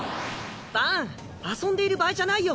バン遊んでいる場合じゃないよ。